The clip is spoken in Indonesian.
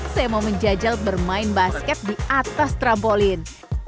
saya mau menjajal bermain basket di atas trampolin